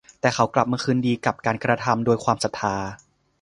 แต่เขากลับมาคืนดีกับการกระทำโดยความศรัทธา